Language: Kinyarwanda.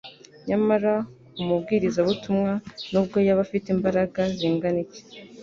Nyamara umubwirizabutumwa nubwo yaba afite imbaraga zingana iki,